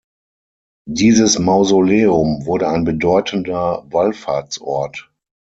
Dieses Mausoleum wurde ein bedeutender Wallfahrtsort.